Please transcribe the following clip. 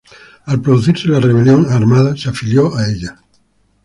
Al producirse la rebelión armada se afilió a ella.